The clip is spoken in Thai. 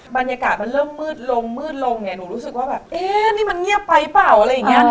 บรรยากาศมันเริ่มมืดลงมืดลงเนี่ยหนูรู้สึกว่าแบบเอ๊ะนี่มันเงียบไปเปล่าอะไรอย่างเงี้ย